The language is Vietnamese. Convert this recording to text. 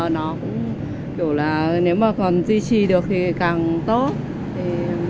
nó cũng kiểu là nếu mà còn duy trì được thì càng tốt